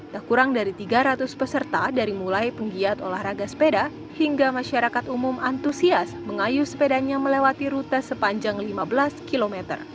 tak kurang dari tiga ratus peserta dari mulai penggiat olahraga sepeda hingga masyarakat umum antusias mengayuh sepedanya melewati rute sepanjang lima belas km